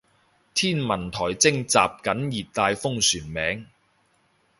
天文台徵集緊熱帶風旋名